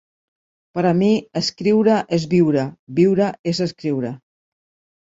“Per a mi escriure és viure, viure és escriure”.